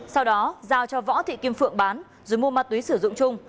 sau đó giao cho võ thị kim phượng bán rồi mua ma túy sử dụng chung